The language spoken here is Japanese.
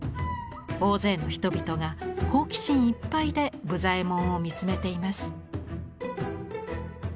大勢の人々が好奇心いっぱいで武左衛門を見つめています。